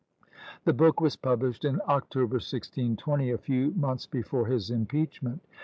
The book was published in October, 1620, a few months before his impeachment.